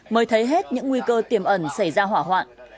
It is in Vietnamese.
mới thấy hết những nguy cơ tiềm ẩn xảy ra hỏa hoạn